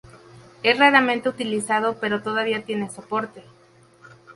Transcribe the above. Es raramente utilizado pero todavía tiene soporte.